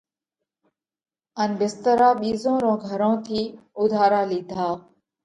ان ڀسترا ٻِيزون رو گھرون ٿِي اُوڌارا لِيڌا۔